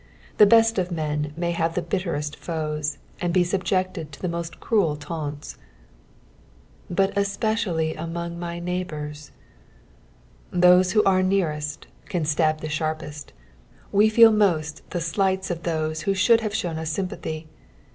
The best of men ma; have the bitterest foes, and be subject«l to the most cniel taunts. " Hut etpeeially amonff ray neighiourt." Those who are nearest can stab the sharpest. We feel moat the slights of those who should have shown ua sympathy.